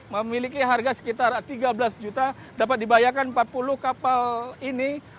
memiliki harga sekitar tiga belas juta dapat dibayarkan empat puluh kapal ini